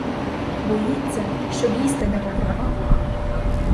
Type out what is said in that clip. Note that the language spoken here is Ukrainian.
Боїться, щоб їсти не попрохав.